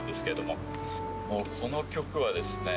もうこの曲はですね